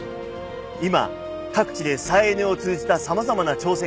今各地で再エネを通じた様々な挑戦が始まっています。